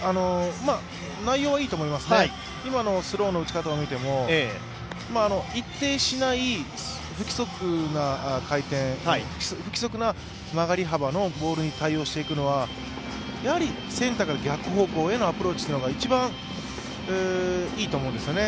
内容はいいと思いますね、今のスローの打ち方を見ても一定しない不規則な回転、不規則な曲がり幅のボールに対応していくのはやはりセンターから逆方向へのアプローチというのが一番いいと思うんですよね。